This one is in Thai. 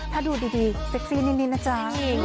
ถ้าดูดีเซ็กซี่นิดนะจ๊ะ